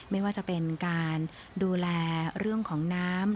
ไม่ว่าจะเป็นการดูแลเรื่องของน้ำ